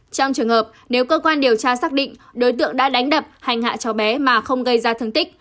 trong trường hợp nếu cơ quan điều tra xác định đối tượng đã đánh đập hành hạ cháu bé mà không gây ra thương tích